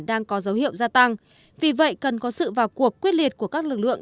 đang có dấu hiệu gia tăng vì vậy cần có sự vào cuộc quyết liệt của các lực lượng